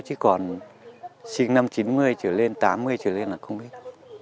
chứ còn sinh năm chín mươi trở lên tám mươi trở lên là không biết